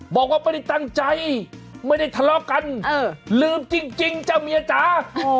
บอกว่าไม่ได้ตั้งใจไม่ได้ทะเลาะกันลืมจริงจ้ะเมียจ๋า